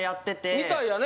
みたいやね。